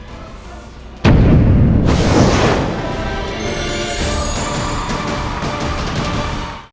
โปรดติดตามตอนต่อไป